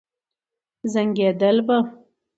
زنګېدل به.